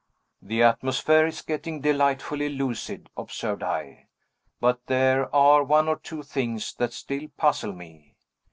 "The atmosphere is getting delightfully lucid," observed I, "but there are one or two things that still puzzle me.